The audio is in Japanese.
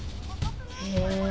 へえ。